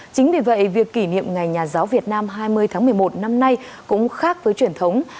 chính vì vậy việc kỷ niệm ngày nhà giáo việt nam hai mươi tháng một mươi một năm nay cũng khác với truyền thống